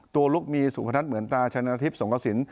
ตัวลุกมีสุพนัทเหมือนตาชะนาธิบสงกสิน